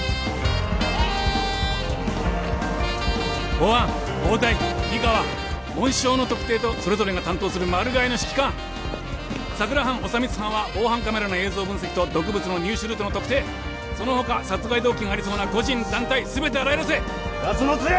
公安暴対二課は紋章の特定とそれぞれが担当するマルガイの敷鑑佐久良班小長光班は防犯カメラの映像分析と毒物の入手ルートの特定その他殺害動機がありそうな個人団体全て洗い出せ何だそのツラ！